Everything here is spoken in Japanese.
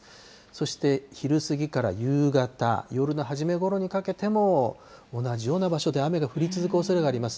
そして昼過ぎから夕方、夜の初めごろにかけても、同じような場所で雨が降り続くおそれがあります。